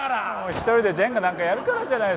１人でジェンガなんかやるからじゃないですか。